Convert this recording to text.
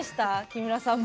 木村さん